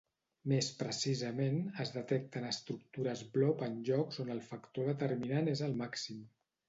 Més precisament, es detecten estructures Blob en llocs on el factor determinant és el màxim.